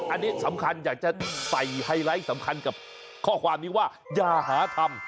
อันนี้สำคัญอยากจะใส่ไฮไลท์สำคัญกับข้อความนี้ว่าอย่าหาทำ